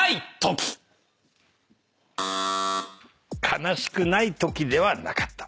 悲しくないときではなかった。